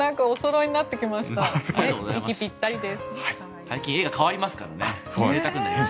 最近絵が変わりますからね。